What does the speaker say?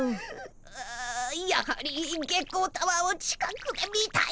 あやはり月光タワーを近くで見たい。